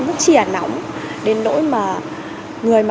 nó chìa nóng đến nỗi mà người